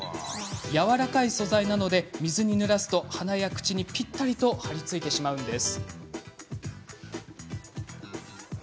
やわらかい素材なので水にぬらすと鼻や口にぴったりと張り付いてしまうんです。